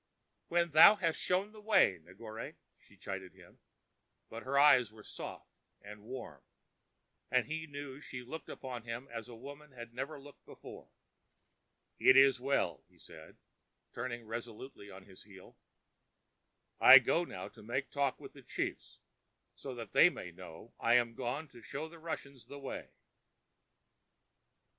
"When thou hast shown the way, Negore," she chided him; but her eyes were soft, and warm, and he knew she looked upon him as woman had never looked before. "It is well," he said, turning resolutely on his heel. "I go now to make talk with the chiefs, so that they may know I am gone to show the Russians the way."